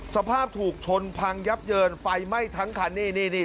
สภาพถูกชนพังยับเยินไฟไหม้ทั้งคันนี่นี่